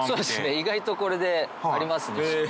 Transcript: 意外とこれでありますね。